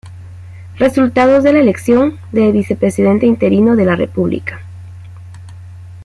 Resultados de la elección de vicepresidente interino de la República.